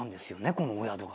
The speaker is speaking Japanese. このお宿が。